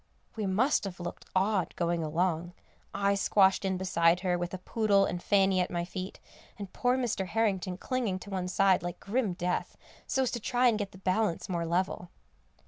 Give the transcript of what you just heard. We must have looked odd going along; I squashed in beside her with a poodle and Fanny at my feet, and poor Mr. Harrington clinging to one side like grim death, so as to try and get the balance more level.